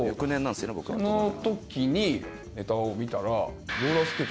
その時にネタを見たら。